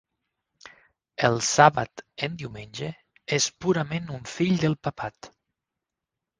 El sàbat en diumenge és purament un fill del papat.